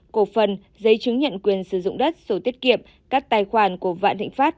cổ phân giấy chứng nhận quyền sử dụng đất số tiết kiệm các tài khoản của vạn thịnh pháp